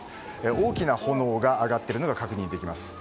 大きな炎が上がっているのが確認できます。